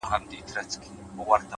د نورو درناوی ځان ته درناوی دی’